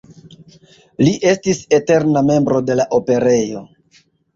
Li estis eterna membro de la Operejo.